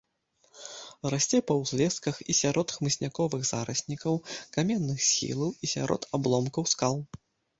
Расце па ўзлесках і сярод хмызняковых зараснікаў каменных схілаў і сярод абломкаў скал.